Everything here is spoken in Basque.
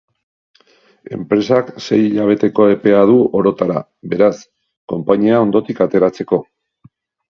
Enpresak sei hilabeteko epea du orotara, beraz, konpainia hondotik ateratzeko.